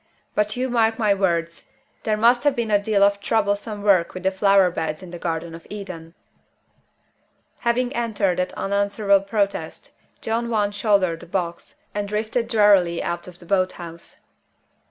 "But you mark my words there must have been a deal of troublesome work with the flower beds in the Garden of Eden." Having entered that unanswerable protest, John Want shouldered the box, and drifted drearily out of the boat house.